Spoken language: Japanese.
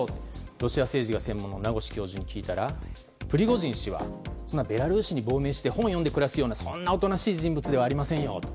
ロシア政治が専門の名越教授に聞いたらプリゴジン氏はベラルーシに亡命して本を読んで暮らすようなそんなおとなしい人物ではありませんと。